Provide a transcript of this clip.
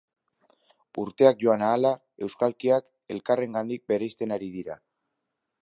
Urteak joan ahala, euskalkiak elkarrengandik bereizten ari dira.